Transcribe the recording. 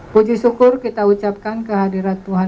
puji syukur kita ucapkan kehadiran tuhan